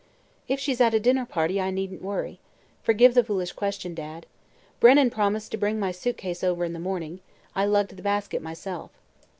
"If she's at a dinner party I needn't worry. Forgive the foolish question, Dad. Brennan promised to bring my suit case over in the morning. I lugged the basket myself."